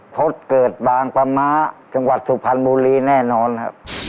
ทศเกิดบางปะม้าจังหวัดสุพรรณบุรีแน่นอนครับ